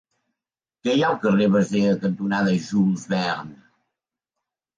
Què hi ha al carrer Basea cantonada Jules Verne?